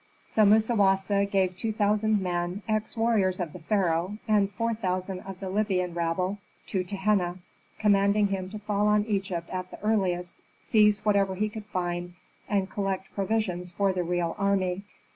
So Musawasa gave two thousand men, ex warriors of the pharaoh, and four thousand of the Libyan rabble to Tehenna, commanding him to fall on Egypt at the earliest, seize whatever he could find, and collect provisions for the real army.